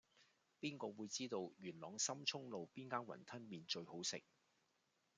邊個會知道元朗深涌路邊間雲吞麵最好食